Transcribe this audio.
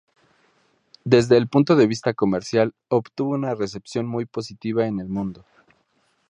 Desde el punto de vista comercial, obtuvo una recepción muy positiva en el mundo.